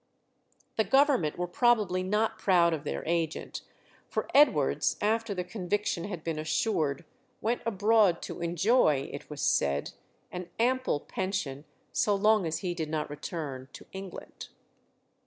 The Government were probably not proud of their agent, for Edwards, after the conviction had been assured, went abroad to enjoy, it was said, an ample pension, so long as he did not return to England.